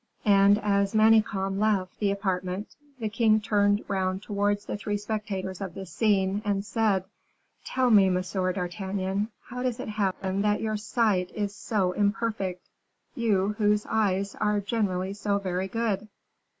And as Manicamp left the apartment, the king turned round towards the three spectators of this scene, and said, "Tell me, Monsieur d'Artagnan, how does it happen that your sight is so imperfect? you, whose eyes are generally so very good."